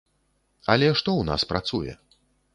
Але што ў нас працуе?